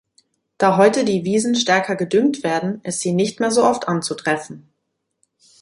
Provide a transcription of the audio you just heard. Da heute die Wiesen stärker gedüngt werden, ist sie nicht mehr so oft anzutreffen.